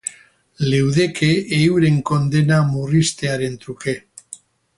Leudeke euren kondena murriztearen truke.